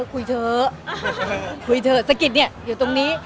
คุยเถอะคุยเถอะสะกิดเนี่ยอยู่ตรงนี้